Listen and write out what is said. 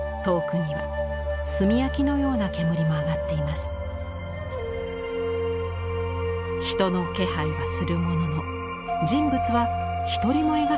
人の気配はするものの人物は一人も描かれていません。